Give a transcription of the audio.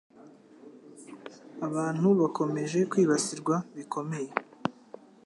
Abantu bakomeje kwibasirwa bikomeye